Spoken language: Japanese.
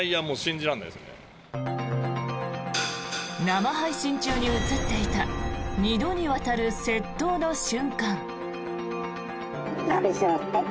生配信中に映っていた２度にわたる窃盗の瞬間。